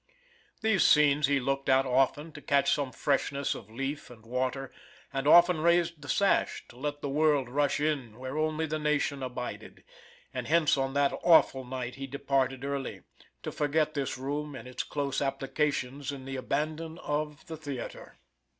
These scenes he looked at often to catch some freshness of leaf and water, and often raised the sash to let the world rush in where only the nation abided, and hence on that awful night, he departed early, to forget this room and its close applications in the abandon of the theater.